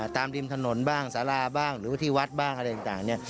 ริมถนนบ้างสาราบ้างหรือว่าที่วัดบ้างอะไรต่างเนี่ย